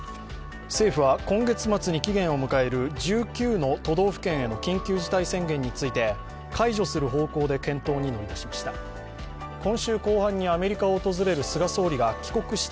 政府は今月末に期限を迎える１９の都道府県への緊急事態宣言について、解除する方向で検討に乗り出しました。